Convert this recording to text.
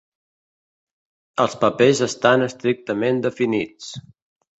Els papers estan estrictament definits.